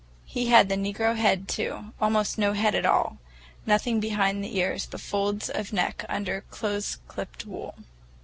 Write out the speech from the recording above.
He had the negro head, too; almost no head at all; nothing behind the ears but folds of neck under close clipped wool.